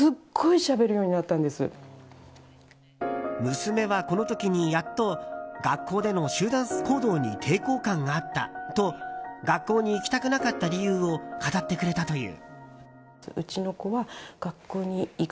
娘はこの時にやっと学校での集団行動に抵抗感があったと学校に行きたくなかった理由を語ってくれたという。